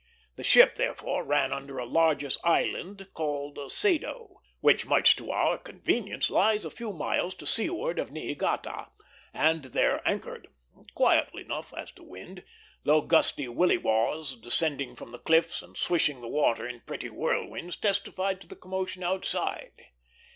The ship, therefore, ran under a largish island called Sado, which much to our convenience lies a few miles to sea ward of Niigata, and there anchored; quietly enough as to wind, though gusty willy waws descending from the cliffs and swishing the water in petty whirlwinds testified to the commotion outside.